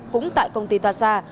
cũng tại công ty thọ sa